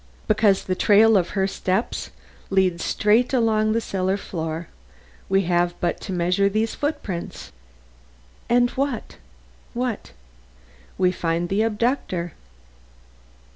"Because the trail of her steps leads straight along the cellar floor. We have but to measure these footprints." "And what? what?" "We find the abductor."